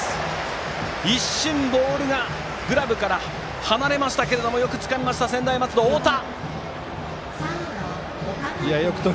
一瞬、ボールがグラブから離れましたがよくつかみました専大松戸の太田！